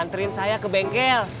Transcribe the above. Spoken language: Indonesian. anterin saya ke bengkel